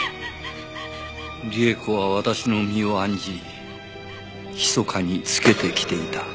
里江子は私の身を案じひそかにつけてきていた。